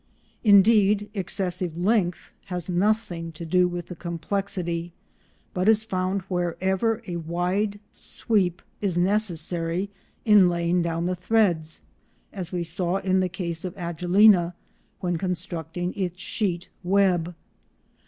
Indeed excessive length has nothing to do with complexity but is found wherever a wide sweep is necessary in laying down the threads—as we saw in the case of Agelena, when constructing its sheet web.